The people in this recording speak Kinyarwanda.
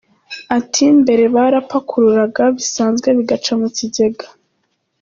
Ati “Mbere barapakururaga bisanzwe bigaca mu bigega.